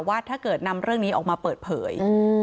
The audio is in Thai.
ว่าถ้าเกิดนำเรื่องนี้ออกมาเปิดเผย